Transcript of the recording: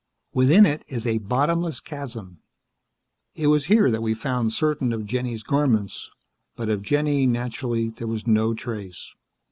Within it is a bottomless chasm. It was here that we found certain of Jenny's garments, but of Jenny, naturally, there was no trace.